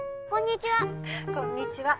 こんにちは。